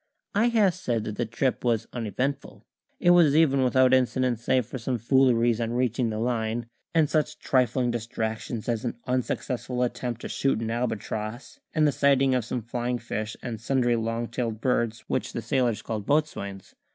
I have said that the trip was uneventful; it was even without incident save for some fooleries on reaching the Line, and such trifling distractions as an unsuccessful attempt to shoot an albatross, and the sighting of some flying fish and sundry long tailed birds which the sailors called boatswains.